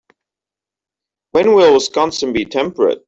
When will Wisconsin be temperate?